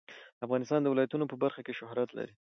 افغانستان د ولایتونو په برخه کې شهرت لري.